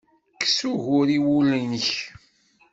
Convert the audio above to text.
Kkes ugur i wul-nnek.